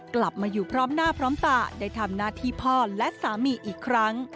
กลับมาอยู่พร้อมหน้าพร้อมตาได้ทำหน้าที่พ่อและสามีอีกครั้ง